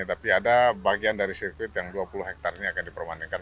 tapi ada bagian dari sirkuit yang dua puluh hektare ini akan diperbandingkan